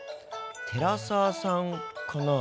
寺澤さんかな？